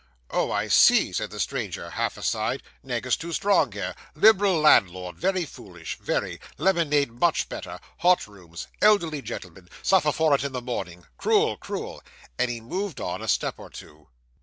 'Oh! I see,' said the stranger, half aside, 'negus too strong here liberal landlord very foolish very lemonade much better hot rooms elderly gentlemen suffer for it in the morning cruel cruel;' and he moved on a step or two.